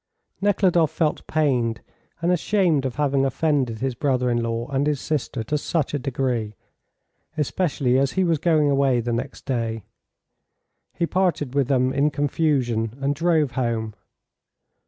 Nekhludoff felt pained and ashamed of having offended his brother in law and his sister to such a degree, especially as he was going away the next day. He parted with them in confusion, and drove home.